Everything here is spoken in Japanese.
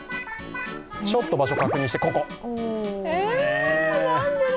ちょっと場所確認して、ここ。